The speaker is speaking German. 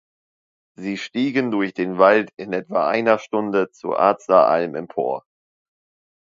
Sie stiegen durch den Wald in etwa einer Stunde zur Arzler Alm empor.